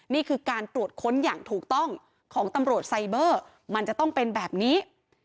นี่คือการตรวจค้นอย่างถูกต้องของตำรวจไซเบอร์มันจะต้องเป็นแบบนี้